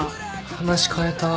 話変えた。